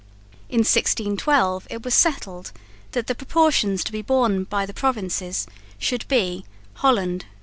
In 1612 it was settled that the proportions to be borne by the provinces should be Holland 57.